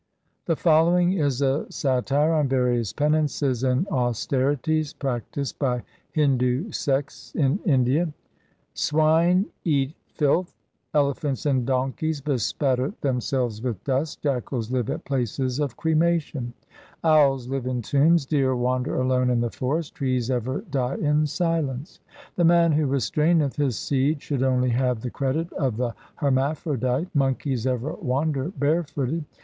The following is a satire on various penances and austerities practised by Hindu sects in India :— Swine eat filth ; elephants and donkeys bespatter them selves with dust ; jackals live at places of cremation ; Owls live in tombs ; deer wander alone in the forest ; trees ever die in silence. The man who restraineth his seed should only have the credit of the hermaphrodite; monkeys ever wander bare footed.